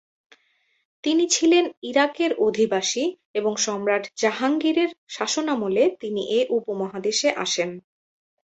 তিনি ছিলেন ইরাকের অধিবাসী এবং সম্রাট জাহাঙ্গীর এর শাসনামলে তিনি এ উপমহাদেশে আসেন।